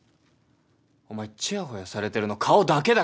お前ちやほやされてるの顔だけだからな。